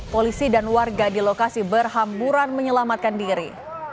polisi dan warga di lokasi berhamburan menyelamatkan diri